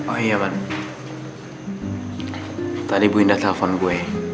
oh iya man tadi bu indah telfon gue